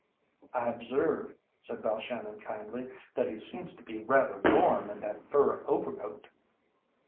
"I observe," said Balshannon kindly, "that he seems to be rather warm in that fur overcoat."